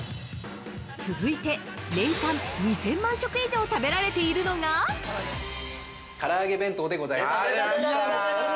続いて、年間２０００万食以上食べられているのが◆から揚弁当でございます。